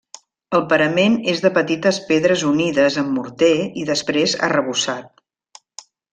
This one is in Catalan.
El parament és de petites pedres unides amb morter i després arrebossat.